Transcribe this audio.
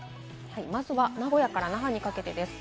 名古屋から那覇にかけてです。